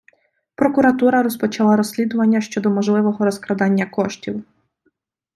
Прокуратура почала розслідування щодо можливого розкрадання коштів.